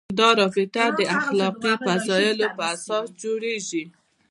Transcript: دا رابطه د اخلاقي فضایلو پر اساس جوړېږي.